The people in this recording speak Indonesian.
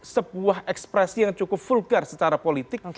sebuah ekspresi yang cukup vulgar secara politik